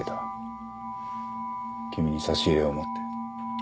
君に差し入れを持って。